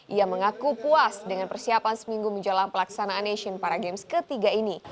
ia mengaku puas dengan persiapan seminggu menjelang pelaksanaan asian para games ketiga ini